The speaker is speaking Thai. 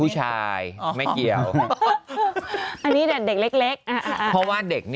ถ้าไม่ชอบเด็ก